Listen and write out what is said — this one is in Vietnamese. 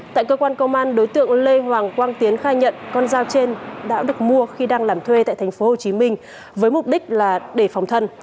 tại cơ quan công an đối tượng lê hoàng quang tiến khai nhận con dao trên đã được mua khi đang làm thuê tại tp hcm với mục đích là để phòng thân